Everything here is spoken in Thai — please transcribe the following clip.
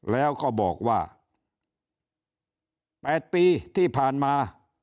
แล้วก็บอกว่า๘ปีที่ผ่านมา